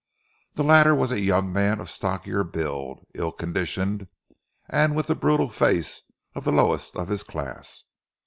The latter was a young man of stockier build, ill conditioned, and with the brutal face of the lowest of his class.